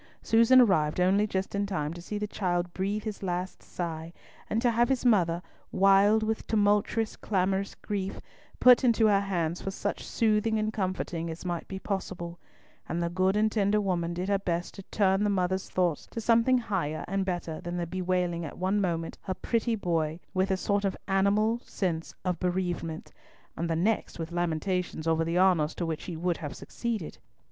Susan arrived only just in time to see the child breathe his last sigh, and to have his mother, wild with tumultuous clamorous grief, put into her hands for such soothing and comforting as might be possible, and the good and tender woman did her best to turn the mother's thoughts to something higher and better than the bewailing at one moment "her pretty boy," with a sort of animal sense of bereavement, and the next with lamentations over the honours to which he would have succeeded.